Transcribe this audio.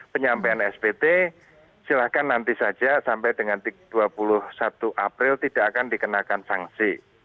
penyampaian spt silahkan nanti saja sampai dengan dua puluh satu april tidak akan dikenakan sanksi